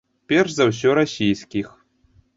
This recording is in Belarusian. Перш за ўсё расійскіх.